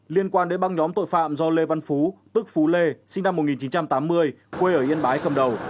liên quan đến băng nhóm tội phạm do lê văn phú tức phú lê sinh năm một nghìn chín trăm tám mươi quê ở yên bái cầm đầu